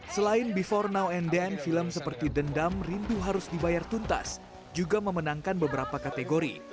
selain before now and then film seperti dendam rindu harus dibayar tuntas juga memenangkan beberapa kategori